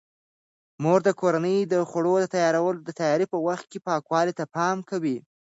مور د کورنۍ د خوړو د تیاري په وخت پاکوالي ته پام کوي.